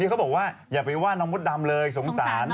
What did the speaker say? เขาบอกว่าอย่าไปว่าน้องมดดำเลยสงสาร